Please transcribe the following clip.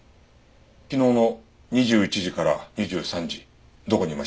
昨日の２１時から２３時どこにいました？